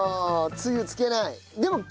つゆつけない。